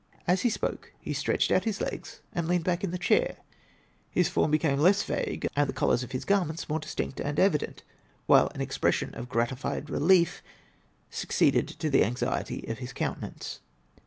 As he spoke, he stretched out his legs and leaned back in the chair. His form became less vague, and the colors of his garments more distinct and evident, while an expression of gratified relief succeeded to the anxiety of his countenance.